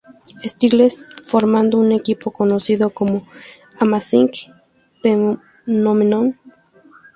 Styles, formando un equipo conocido como "Amazing Phenomenon.".